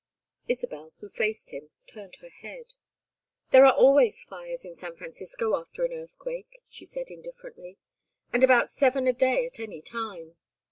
Isabel, who faced him, turned her head. "There are always fires in San Francisco after an earthquake," she said, indifferently. "And about seven a day at any time.